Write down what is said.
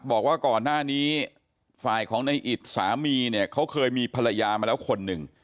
บอกว่าก่อนหน้านี้ฝ่ายของในอิตสามีเนี่ยเขาเคยมีภรรยามาแล้วคนหนึ่ง